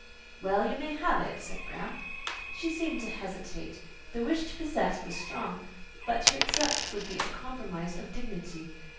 "Well—you may have it," said Graham. She seemed to hesitate. The wish to possess was strong, but to accept would be a compromise of dignity.